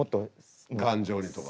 頑丈にとか。